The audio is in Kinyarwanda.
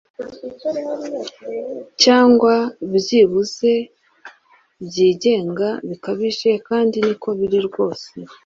cyangwa byibuze byigenga bikabije kandi niko biri rwose